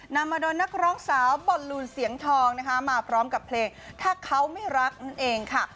นำมาโดยนักร้องสาวบอลลูนเสียงทองนะคะมาพร้อมกับเพลงถ้าเขาไม่รักนั่นเองค่ะ